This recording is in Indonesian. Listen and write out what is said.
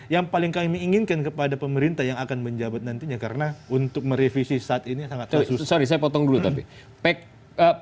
yang paling kami inginkan kepada pemerintah yang akan menjabat nantinya karena untuk merevisi saat ini sangat susah